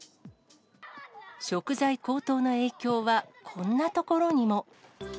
食材高騰の影響はこんな所にも。